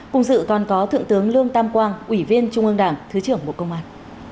cùng dự còn có thượng tướng lương tam quang ủy viên trung ương đảng thứ trưởng bộ công an